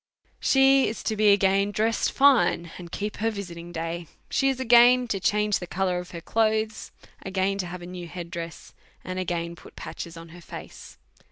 She is again to be dressed fine, and keep her visit ing da}' . She is again to change the colour of her clothes, again to have a new head, and again put patches on hei face.